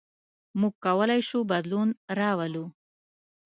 موږ کولی شو بدلون راولو.